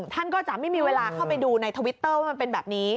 ท่านก็จะไม่มีเวลาเข้าไปดูในทวิตเตอร์ว่ามันเป็นแบบนี้